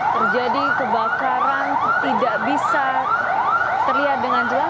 terjadi kebakaran tidak bisa terlihat dengan jelas